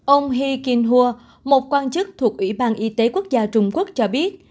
ông he qinhua một quan chức thuộc ủy ban y tế quốc gia trung quốc cho biết